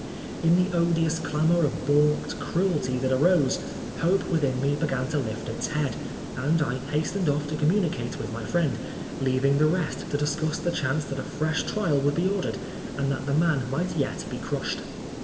In the odious clamour of baulked cruelty that arose, hope within me began to lift its head, and I hastened off to communicate with my friend, leaving the rest to discuss the chance that a fresh trial would be ordered, and that the man might yet be crushed.